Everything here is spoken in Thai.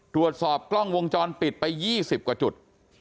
ตรวจสอบกล้องวงจรปิดไป๒๐กว่าจุด